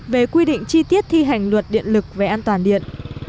về quy định chi tiết thi hành luật điện lực về an toàn điện